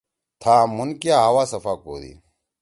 تھام مُھن کیا ہوا صفا کودی۔